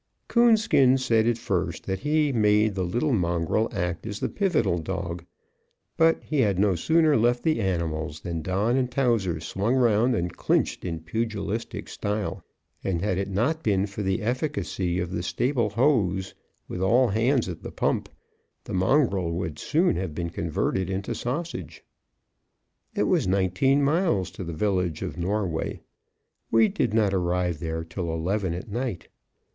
Coonskin said at first he had made the little mongrel act as the pivotal dog, but he had no sooner left the animals than Don and Towser swung round and clinched in pugilistic style, and, had it not been for the efficacy of the stable hose, with all hands at the pump, the mongrel would have soon been converted into sausage. It was nineteen miles to the village of Norway; we did not arrive there till eleven at night.